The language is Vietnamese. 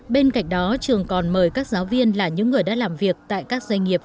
bên cạnh đó trường còn mời các giáo viên là những người đã làm việc tại các doanh nghiệp